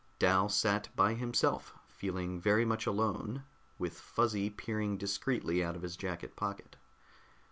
Dal sat by himself feeling very much alone, with Fuzzy peering discreetly out of his jacket pocket.